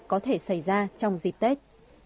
có thể xảy ra trong dịp tết